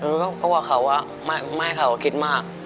เออก็ว่าเขาอะไม่ให้เขาคิดมาก